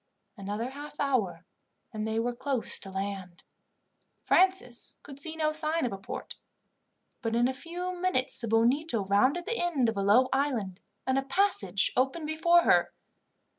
Another half hour and they were close to land. Francis could see no sign of a port, but in a few minutes the Bonito rounded the end of a low island, and a passage opened before her.